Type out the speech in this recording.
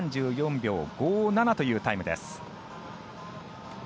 ３４秒５７というタイムです。